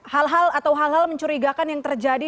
hal hal atau hal hal mencurigakan yang terjadi